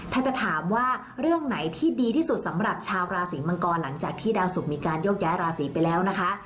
ถ้าจะถามว่าเรื่องไหนที่ดีที่สุดสำหรับชาวราศีมังกรหลังจากที่ดาวสุกมีการโยกย้ายราศีไปแล้วนะคะ